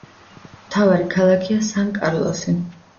მთავარი ქალაქია სან-კარლოსი.